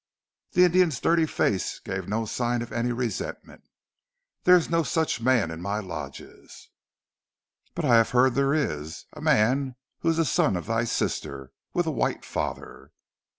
The Indian's dirty face gave no sign of any resentment. "There is no such man in my lodges." "But I have heard there is, a man who is the son of thy sister, with a white father."